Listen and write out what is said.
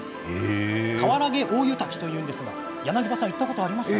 川原毛大湯滝というんですが柳葉さん行ったことありました？